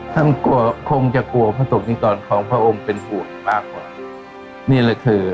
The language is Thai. กลัวคงจะกลัวพระศกนิกรของพระองค์เป็นห่วงมากกว่านี่เลยคือ